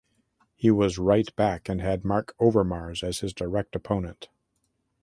He was right back and had Marc Overmars as his direct opponent.